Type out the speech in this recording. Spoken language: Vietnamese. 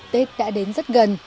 tết đã đến rất gần